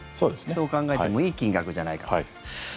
そう考えてもいい金額じゃないかと。